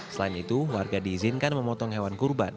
selain itu warga diizinkan memotong hewan kurban